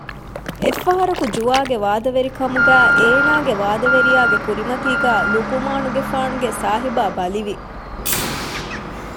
އެއްފަހަރަކު ޖުވާގެ ވާދަވެރިކަމުގައި އޭނާގެ ވާދަވެރިޔާގެ ކުރިމަތީގައި ލުޤުމާނުގެފާނުގެ ސާހިބާ ބަލިވި